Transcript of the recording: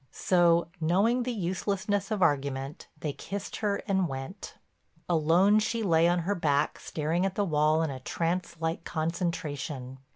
So, knowing the uselessness of argument, they kissed her and went. Alone, she lay on her back staring at the wall in a trance like concentration.